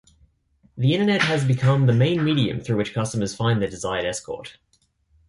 The internet has become the main medium through which customers find their desired escort.